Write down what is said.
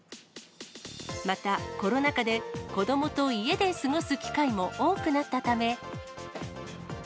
またコロナ禍で、子どもと家で過ごす機会も多くなったため。